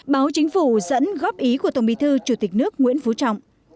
báo chính phủ dẫn góp ý của tổng bí thư chủ tịch nước nguyễn phú trọng